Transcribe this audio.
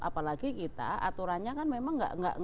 apalagi kita aturannya kan memang